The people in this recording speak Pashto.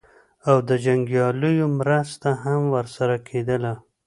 او د جنګیالیو مرسته هم ورسره کېدله.